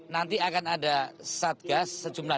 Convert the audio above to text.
nanti akan ada satgas sejumlah